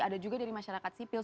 ada juga dari masyarakat sipil